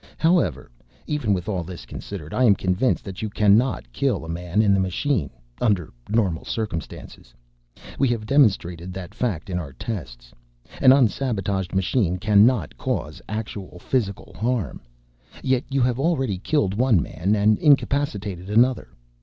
"However, even with all this considered, I am convinced that you cannot kill a man in the machine—under normal circumstances. We have demonstrated that fact in our tests. An unsabotaged machine cannot cause actual physical harm. "Yet you have already killed one man and incapacitated another.